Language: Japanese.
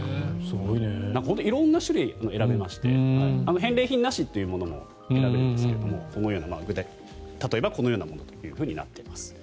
本当、色んな種類が選べまして返礼品なしというものも選べるんですが例えばこのようなものとなっています。